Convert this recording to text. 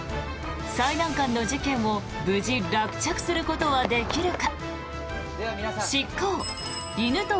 最難関の事件を無事、落着することはできるか？